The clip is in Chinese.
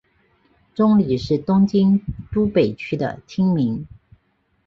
中里是东京都北区的町名。